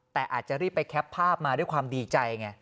แต่อาจจะรีบไปแคปภาพมาด้วยความดีใจไง